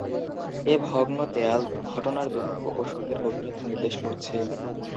এ ভগ্ন দেয়াল ঘটনার দুঃখ ও শোকের গভীরতা নির্দেশ করছে।